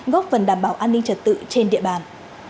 góp phần đảm bảo an ninh trật tự trên địa bàn